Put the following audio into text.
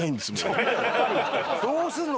どうすんの？